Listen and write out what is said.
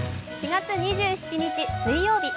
４月２７日水曜日。